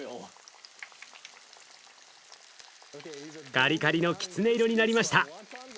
カリカリのきつね色になりました。